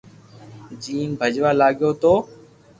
جيم ڀجوا لاگيو تو